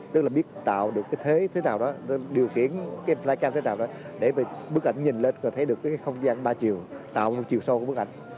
tức là biết tạo được cái thế thế nào đó điều kiện cái flycam thế nào đó để bức ảnh nhìn lên có thể được cái không gian ba chiều tạo trong chiều sâu của bức ảnh